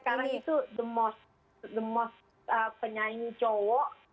sekarang itu the most penyanyi cowok